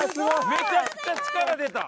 めちゃくちゃ力出た。